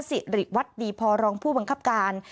สิริวัตรดีพอรองผู้บังคับการ